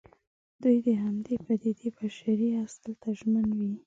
دوی د همغې پدېدې بشري اصل ته ژمن وي.